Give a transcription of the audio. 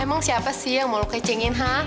emang siapa sih yang mau lu kecingin ha